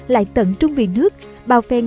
lại tận trung vì nước bảo phèn